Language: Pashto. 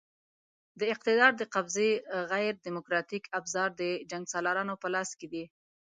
د اقتدار د قبضې غیر دیموکراتیک ابزار د جنګسالارانو په لاس کې دي.